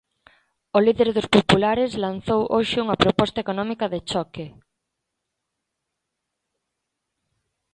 O líder dos populares lanzou hoxe unha proposta económica de choque.